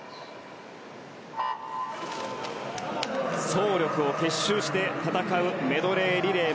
総力を結集して戦うメドレーリレー